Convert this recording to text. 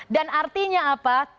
dan artinya apa